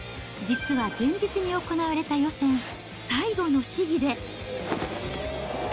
実は前日に行われた予選、最後の試技で。